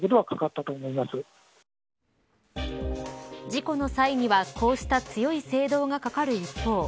事故の際にはこうした強い制動がかかる一方